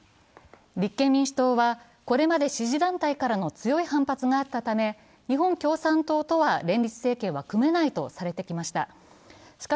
立憲民主党はこれまで支持団体からの強い反発があったため、日本共産党とは連立政権は組めないとされてきました。